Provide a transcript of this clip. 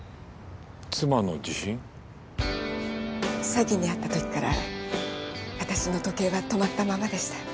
詐欺に遭った時から私の時計は止まったままでした。